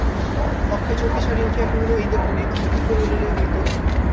অক্ষয় চৌকি ছাড়িয়া উঠিয়া কহিল, এই দেখুন, এ কথা পূর্বে বলিলেই হইত।